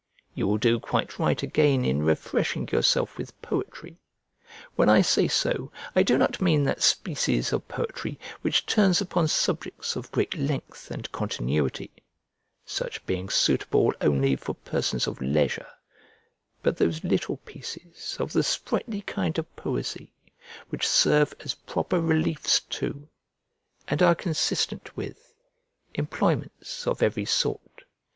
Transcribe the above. You will do quite right again in refreshing yourself with poetry: when I say so, I do not mean that species of poetry which turns upon subjects of great length and continuity (such being suitable only for persons of leisure), but those little pieces of the sprightly kind of poesy, which serve as proper reliefs to, and are consistent with, employments of every sort.